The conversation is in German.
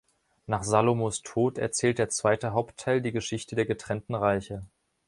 Nach Salomos Tod erzählt der zweite Hauptteil die Geschichte der getrennten Reiche.